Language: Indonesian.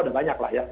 udah banyak lah ya